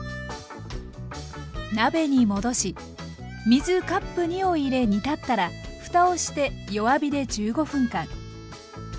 鍋に戻し水カップ２を入れ煮立ったらふたをして弱火で１５分間。